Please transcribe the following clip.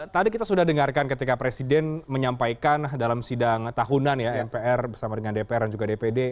tadi kita sudah dengarkan ketika presiden menyampaikan dalam sidang tahunan ya mpr bersama dengan dpr dan juga dpd